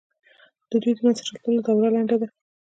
د دوی د منځته راتلو دوره لنډه ده.